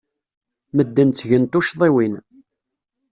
Medden ttgen tuccḍiwin.